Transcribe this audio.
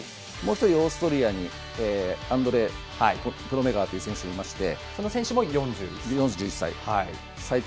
もう１人オーストリアにアンドレアス・プロメガー選手がいましてその選手も４１歳。